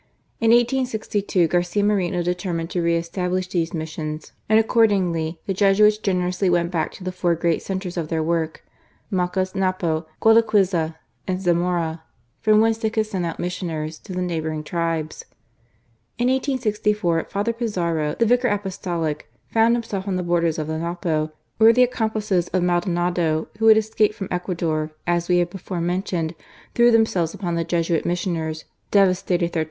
In 1862, Garcia Moreno determined to re establish these missions, and accordingly the Jesuits generously Went back to the four great centres of their work : Macas, Napo, Gualaquiza, and Zaraora, from whence they could send out missioners to the neighbouring tribes. In 1S64, Father Pizarro, the Vicar Apostolic, found himself on the borders ot the Napo, where the accomplices of Maldonado, who had escaped f^om Ecuador, as we have before meDtumed.i threw themselves upon the Jesuit mUsioners, devas ^; tated their